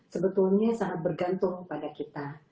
sebetulnya sangat bergantung pada kita